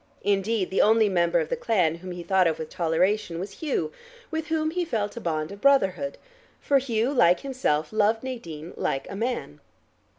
Indeed the only member of the clan whom he thought of with toleration was Hugh, with whom he felt a bond of brotherhood, for Hugh, like himself, loved Nadine like a man.